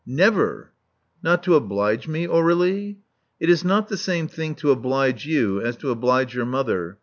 Never." "Not to oblige me, Aur^lie?" "It is not ^the same thing to oblige you as to oblige your mother.